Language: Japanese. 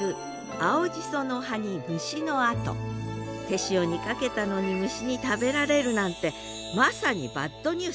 手塩にかけたのに虫に食べられるなんてまさにバッドニュース。